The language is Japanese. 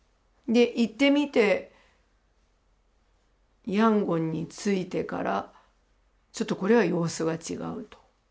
行ってみてヤンゴンに着いてからちょっとこれは様子が違うと。